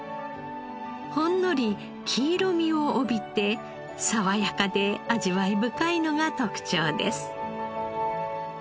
ほんのり黄色みを帯びてさわやかで味わい深いのが特徴です。